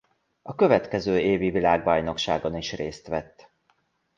A következő évi világbajnokságon is részt vett.